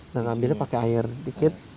nah ngambilnya pakai air dikit